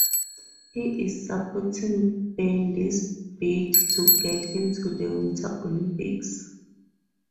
He is supporting bandy's bid to get into the Winter Olympics.